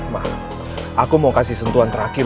mah aku mau kasih sentuhan terakhir